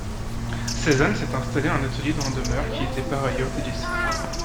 Cézanne s'était installé un atelier dans la demeure, qui était par ailleurs délaissée.